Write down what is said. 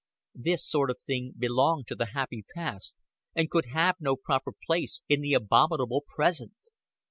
This sort of thing belonged to the happy past, and could have no proper place in the abominable present.